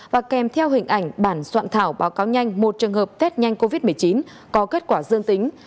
và kèm theo hình ảnh bản soạn thảo báo cáo nhanh một trường hợp test nhanh covid một mươi chín có kết quả dương tính